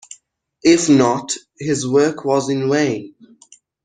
If not, his work was in vain.